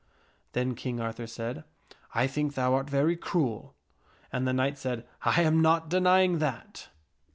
Then King Arthur said, " I think thou art very cruel." And the knight said, " I am not denying that."